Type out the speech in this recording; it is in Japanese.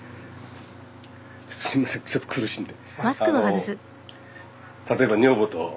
すいませんちょっと苦しいんで。